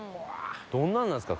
どんなんなんですか？